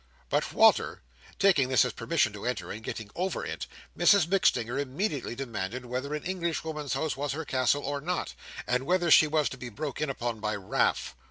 But Walter, taking this as a permission to enter, and getting over it, Mrs MacStinger immediately demanded whether an Englishwoman's house was her castle or not; and whether she was to be broke in upon by "raff."